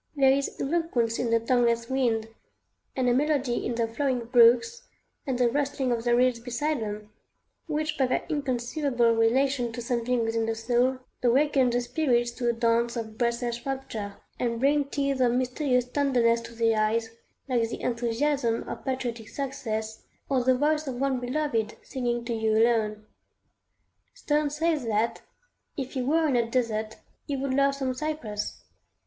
There is eloquence in the tongueless wind, and a melody in the flowing brooks and the rustling of the reeds beside them, which by their inconceivable relation to something within the soul, awaken the spirits to a dance of breathless rapture, and bring tears of mysterious tenderness to the eyes, like the enthusiasm of patriotic success, or the voice of one beloved singing to you alone. Sterne says that, if he were in a desert, he would love some cypress.